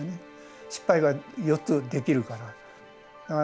失敗が４つできるから。